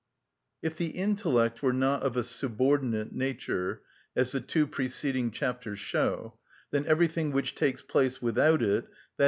If the intellect were not of a subordinate nature, as the two preceding chapters show, then everything which takes place without it, _i.